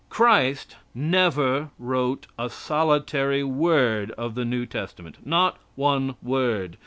Christ never wrote a solitary word of the New Testament not one word.